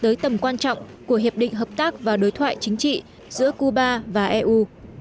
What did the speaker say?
đây là nguyên liệu quan trọng của hiệp định hợp tác và đối thoại chính trị giữa cuba và eu